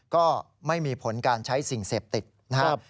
ก็ไม่มีผลการใช้สิ่งเสพติดนะครับ